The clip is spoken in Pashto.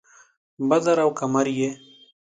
بدر او قمر مې یې